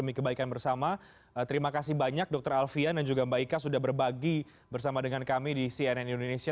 demi kebaikan bersama terima kasih banyak dokter alfian dan juga mbak ika sudah berbagi bersama dengan kami di cnn indonesia